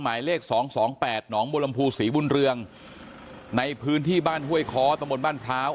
หมายเลข๒๒๘หนองบลำพูศรีบุญเรืองในพื้นที่บ้านห้วยคอตมบลบ้านพร้าว